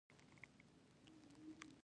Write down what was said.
آیا د ګیلان او مازندران وریجې مشهورې نه دي؟